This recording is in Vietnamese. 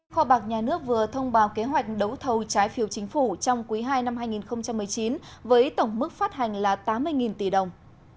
kho bạc nhà nước vừa thông báo kế hoạch đấu thầu trái phiếu chính phủ trong quý ii năm hai nghìn một mươi chín với tổng mức phát hành là tám mươi tỷ đồng